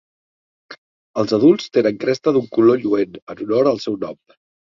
Els adults tenen cresta d'un color lluent, en honor al seu nom.